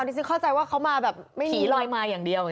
ที่ฉันเข้าใจว่าเขามาแบบผีลอยมาอย่างเดียว